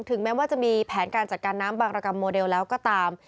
แม้ว่าจะมีแผนการจัดการน้ำบางรกรรมโมเดลแล้วก็ตาม